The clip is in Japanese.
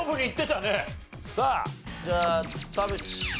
さあじゃあ田渕。